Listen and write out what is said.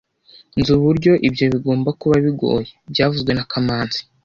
Nzi uburyo ibyo bigomba kuba bigoye byavuzwe na kamanzi